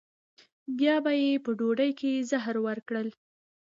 بیا به یې په ډوډۍ کې زهر ورکړل.